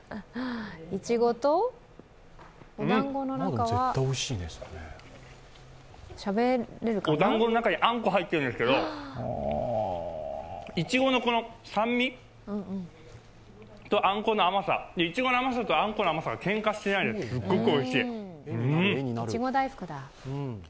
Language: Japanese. いちごとお団子の中はおだんごの中にあんこ入ってるんですけど、いちごの酸味とあんこの甘さ、いちごの甘さとあんこの甘さがけんかしてなくて、すっごくおいしい、うん。